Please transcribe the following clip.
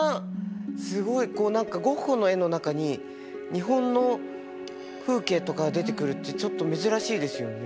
すごいこう何かゴッホの絵の中に日本の風景とかが出てくるってちょっと珍しいですよね。